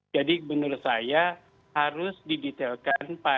jadi menurut saya harus didetailkan